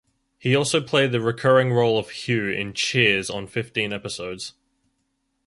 He also played the recurring role of "Hugh" in "Cheers" on fifteen episodes.